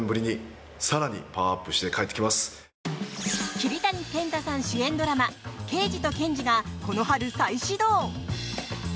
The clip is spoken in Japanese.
桐谷健太さん主演ドラマ「ケイジとケンジ」がこの春、再始動。